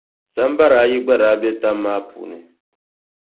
Sambara ayi gba daa be tam maa puuni.